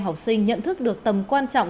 học sinh nhận thức được tầm quan trọng